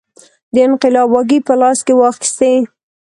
د انقلاب واګې په لاس کې واخیستې.